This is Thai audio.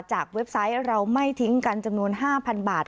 เว็บไซต์เราไม่ทิ้งกันจำนวน๕๐๐๐บาท